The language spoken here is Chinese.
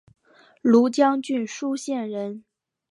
庐江郡舒县人。